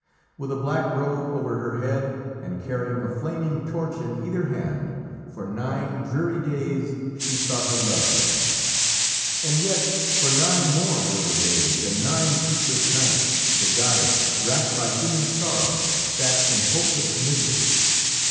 With a black robe over her head and carrying a flaming torch in either hand, for nine dreary days she sought her loved one. And yet, for nine more weary days and nine sleepless nights the goddess, racked by human sorrow, sat in hopeless misery.